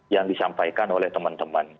yang disampaikan oleh teman teman